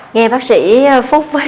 nghe bác sĩ phúc với